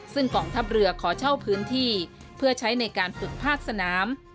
ซึ่งกองทัพเรือขอเช่าพื้นที่เพื่อใช้ในการฝึกภาคสนาม